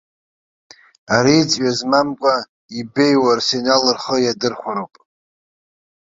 Ари ҵҩа змамқәа ибеиоу арсенал рхы иадырхәароуп.